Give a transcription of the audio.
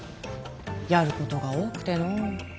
やることが多くてのう。